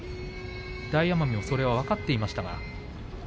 大奄美もそれは分かっていましたが。